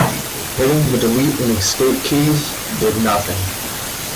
Hitting the delete and escape keys did nothing.